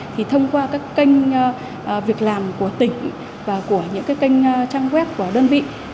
thì thông qua các kênh việc làm của tỉnh và những kênh trang web của đơn vị